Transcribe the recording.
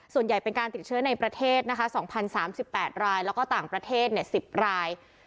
ส่วนใหญ่เป็นการติดเชื้อในประเทศนะคะ๒๐๓๘รายแล้วก็ต่างประเทศ๑๐ราย